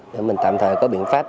để mình tạm thời có biện pháp